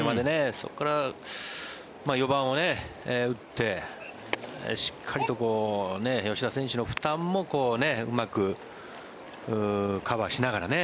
そこから４番を打ってしっかりと吉田選手の負担もうまくカバーしながらね